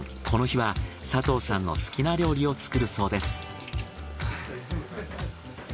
この日は佐藤さんの好きな料理を作るそうです。